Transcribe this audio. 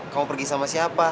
kamu pergi sama siapa